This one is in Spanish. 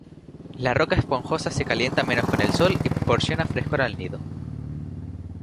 La roca esponjosa se calienta menos con el sol y proporciona frescor al nido.